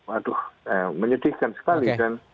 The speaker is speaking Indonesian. aduh menyedihkan sekali